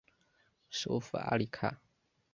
首府阿里卡。